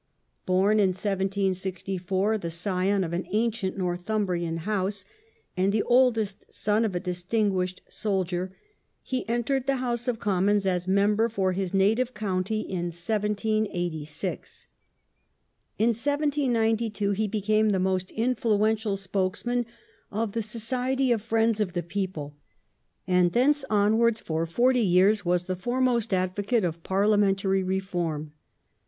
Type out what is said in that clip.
Born in 1764, the scion of an ancient Northumbrian house, and the eldest son of a distinguished soldier, he entered the House of Commons as Member for his native county in 1786. In 1792 he became the most in fluential spokesman of the Society of Friends of the People, and thence onwards for forty years was the foremost advocate of parlia mentary reform.